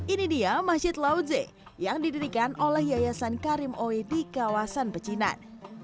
ini dia masjid lauze yang didirikan oleh yayasan karim oe di kawasan pecinan